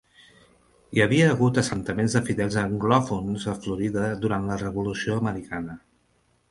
Hi havia hagut assentaments de fidels anglòfons a Florida durant la Revolució Americana.